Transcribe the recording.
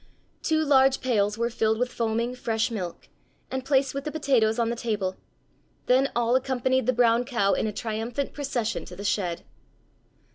Two large pails were filled with foaming, fresh milk and placed with the potatoes on the table; then all accompanied the brown cow in a triumphant procession to the shed.